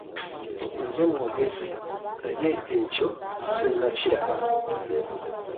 Nze mwogezi naye ekyo ssinnakiraba.